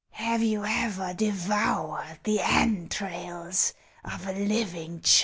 " Have you ever devoured the entrails of a living child